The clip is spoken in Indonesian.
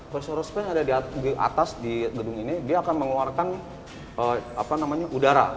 kursor kursor yang ada di atas gedung ini dia akan mengeluarkan udara